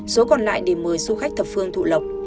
số còn lại để mời du khách thập phương thụ lộc